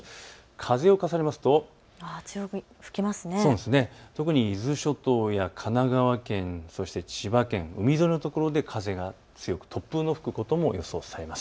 風を重ねますと特に伊豆諸島や神奈川県、そして千葉県、海沿いのところで風が強く、突風の吹くことも予想されます。